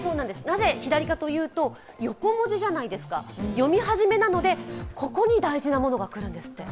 なぜ左かというと、横文字じゃないですか、読み始めなので、ここに大事なものが来るんですって。